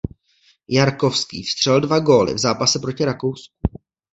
Jarkovský vstřelil dva góly v zápase proti Rakousku.